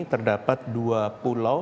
terdapat dua pulau